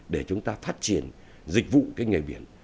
để chúng ta phát triển dịch vụ cái nghề biển